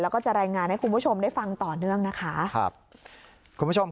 แล้วก็จะรายงานให้คุณผู้ชมได้ฟังต่อเนื่องนะคะครับคุณผู้ชม